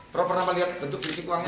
pak pernah melihat bentuk klinik uangnya